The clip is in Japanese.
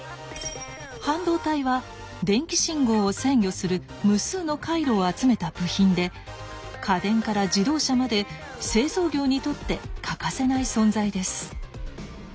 半導体は電気信号を制御する無数の回路を集めた部品で家電から自動車まで製造業にとって欠かせない存在です。